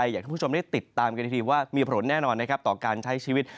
อยากให้ผู้ชมได้ติดตามกันอีกทีว่ามีผลแน่นอนนะครับต่อการใช้ชีวิต